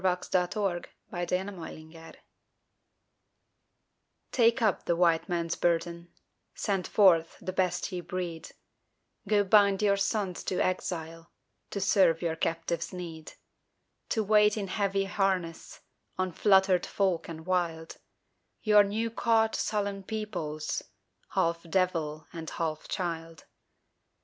VII THE WHITE MAN'S BURDEN 1899 Take up the White Man's burden Send forth the best ye breed Go bind your sons to exile To serve your captives' need; To wait in heavy harness, On fluttered folk and wild Your new caught, sullen peoples, Half devil and half child.